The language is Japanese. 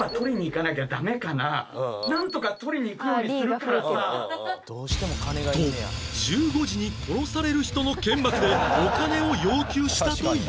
ここでと１５時に殺される人の剣幕でお金を要求したという